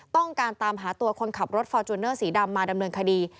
ตามหาตัวคนขับรถฟอร์จูเนอร์สีดำมาดำเนินคดี